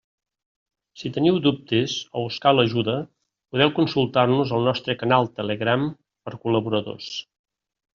Si teniu dubtes o us cal ajuda podeu consultar-nos al nostre canal Telegram per col·laboradors.